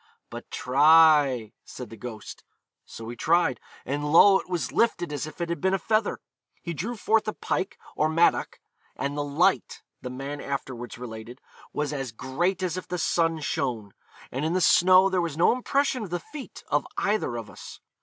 'But try,' said the ghost. So he tried, and lo! it was lifted as if it had been a feather. He drew forth a pike, or mattock; 'and the light,' the man afterwards related, 'was as great as if the sun shone; and in the snow there was no impression of the feet of either of us.'